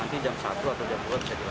nanti jam satu atau jam dua bisa dua